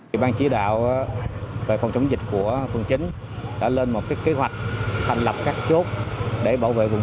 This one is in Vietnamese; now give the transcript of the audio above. thì ban chỉ đạo về phòng chống dịch của phường chín đã lên một kế hoạch thành lập các chốt để bảo vệ vùng